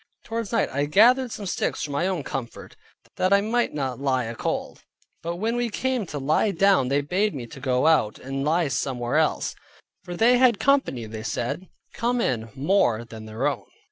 Towards night I gathered some sticks for my own comfort, that I might not lie a cold; but when we came to lie down they bade me to go out, and lie somewhere else, for they had company (they said) come in more than their own.